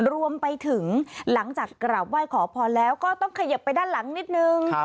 รวมไปถึงหลังจากกราบไหว้ขอพรแล้วก็ต้องเขยิบไปด้านหลังนิดนึง